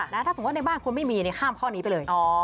แล้วถ้าในบ้านคุณไม่มีค่ามข้อนี้ไปเลย